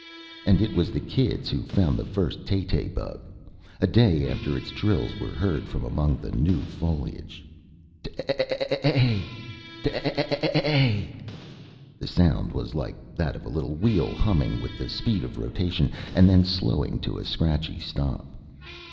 And it was the kids who found the first "tay tay bug," a day after its trills were heard from among the new foliage. "Ta a a ay y y ta a a a ay y yy y " The sound was like that of a little wheel, humming with the speed of rotation, and then slowing to a scratchy stop.